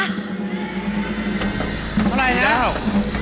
เท่าไรน่ะ๕ดาว